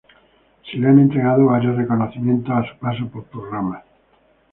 Se le han entregado varios reconocimientos a su paso por programas.